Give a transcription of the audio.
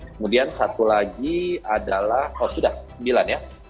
kemudian satu lagi adalah oh sudah sembilan ya